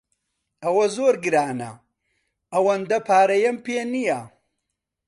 ئەوە زۆر گرانە، ئەوەندە پارەیەم پێ نییە.